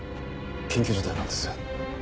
緊急事態なんです。